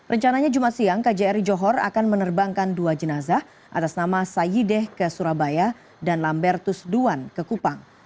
rencananya jumat siang kjri johor akan menerbangkan dua jenazah atas nama sayyideh ke surabaya dan lambertus duan ke kupang